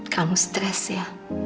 kamu stres ya